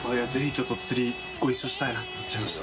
ちょっと釣りご一緒したいなと思っちゃいました。